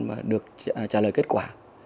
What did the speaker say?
và được trả lời kết quả